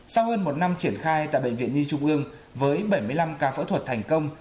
sau hơn một năm triển khai tại bệnh viện nhi trung ương với bảy mươi năm ca phẫu thuật thành công